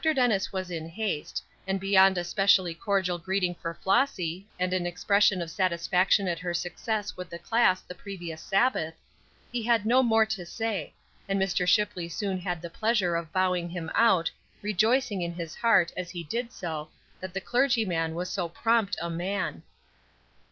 Dennis was in haste, and beyond a specially cordial greeting for Flossy, and an expression of satisfaction at her success with the class the previous Sabbath, he had no more to say, and Mr. Shipley soon had the pleasure of bowing him out, rejoicing in his heart, as he did so, that the clergyman was so prompt a man.